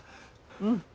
うん。